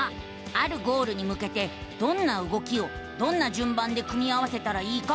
あるゴールにむけてどんな動きをどんなじゅんばんで組み合わせたらいいか考える。